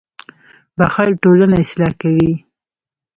• بښل ټولنه اصلاح کوي.